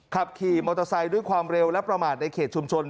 ขับขี่มอเตอร์ไซค์ด้วยความเร็วและประมาทในเขตชุมชน